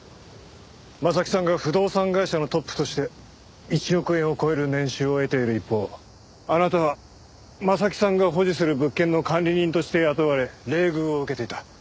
征木さんが不動産会社のトップとして１億円を超える年収を得ている一方あなたは征木さんが保持する物件の管理人として雇われ冷遇を受けていた。